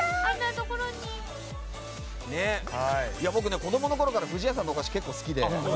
子供のころから不士家さんのお菓子、結構好きで。